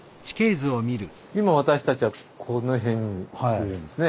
今私たちはこの辺にいるんですね。